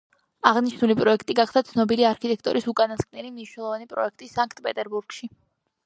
აღნიშნული პროექტი გახდა ცნობილი არქიტექტორის უკანასკნელი მნიშვნელოვანი პროექტი სანქტ-პეტერბურგში.